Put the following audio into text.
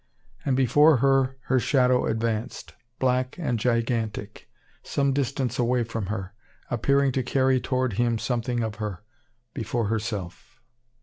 And, before her, her shadow advanced, black and gigantic, some distance away from her, appearing to carry toward him something of her, before herself.